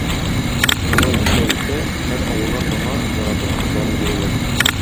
Шулай итә-итә, һәр авылдан моңа, яратып, кызларын бирәләр.